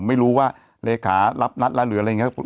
ไม่รู้ว่าเลขารับนัดแล้วหรืออะไรอย่างนี้